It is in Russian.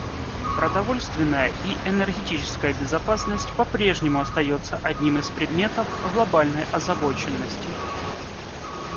Продовольственная и энергетическая безопасность по-прежнему остается одним из предметов глобальной озабоченности.